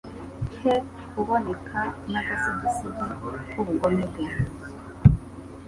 he kuboneka n’agasigisigi k’ubugome bwe